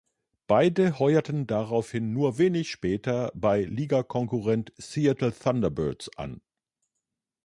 Beide heuerten daraufhin nur wenig später bei Ligakonkurrent Seattle Thunderbirds an.